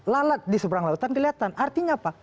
lalat di seberang lautan kelihatan artinya apa